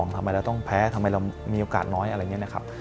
ทำไมเราต้องแพ้ทำไมเรามีโอกาสน้อยอะไรอย่างนี้นะครับ